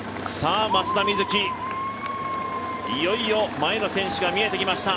松田瑞生、いよいよ前の選手が見えてきました。